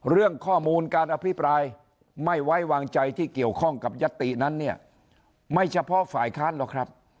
เรื่องข้อมูลการอภิปรายไม่ไว้วางใจที่เกี่ยวข้องกับยัตตินั้นเนี่ยไม่เฉพาะฝ่ายค้านหรอกครับ